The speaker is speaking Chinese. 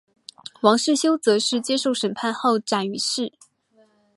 王世修则是接受审判后斩于市。